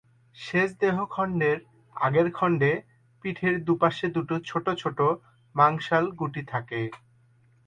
শেষ দেহ খণ্ডের আগের খণ্ডে পিঠের দুপাশে দুটো ছোট ছোট মাংসল গুটি থাকে।